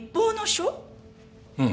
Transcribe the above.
うん。